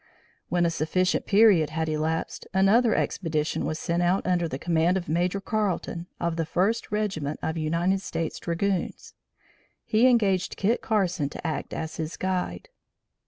When a sufficient period had elapsed, another expedition was sent out under the command of Major Carleton, of the First Regiment of United States Dragoons. He engaged Kit Carson to act as his guide.